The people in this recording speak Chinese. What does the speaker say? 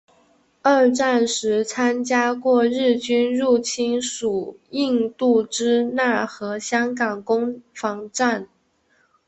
二战时参加过日军入侵法属印度支那和香港攻防战。